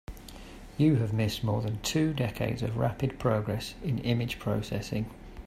You have missed more than two decades of rapid progress in image processing.